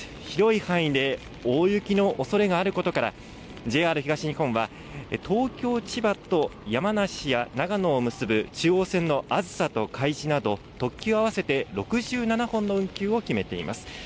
広い範囲で大雪のおそれがあることから、ＪＲ東日本は東京、千葉と山梨や長野を結ぶ中央線のあずさとかいじなど、特急合わせて６７本の運休を決めています。